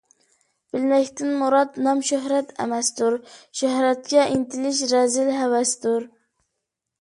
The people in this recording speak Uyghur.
بىلمەكتىن مۇرات – نام - شۆھرەت ئەمەستۇر، شۆھرەتكە ئىنتىلىش رەزىل ھەۋەستۇر.